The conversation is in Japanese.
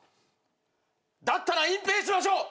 だったら隠蔽しましょう。